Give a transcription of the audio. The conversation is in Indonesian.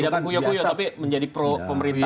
tidak dikuyok kuyok tapi menjadi pro pemerintah